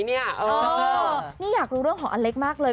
นี่อยากรู้งานของอเล็กมากเลย